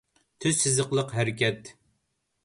تۈز سىزىقلىق ھەرىكەت